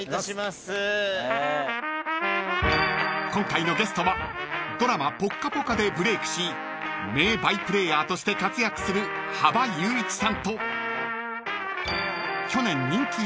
［今回のゲストはドラマ『ぽっかぽか』でブレークし名バイプレーヤーとして活躍する羽場裕一さんと］